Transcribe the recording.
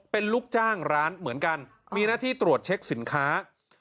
เป็นลูกจ้างร้านเหมือนกันมีหน้าที่ตรวจเช็คสินค้า